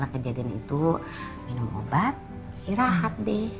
kejadian itu minum obat sirahat deh